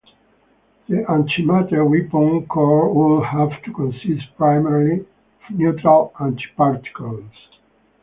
The antimatter weapon core would have to consist primarily of neutral antiparticles.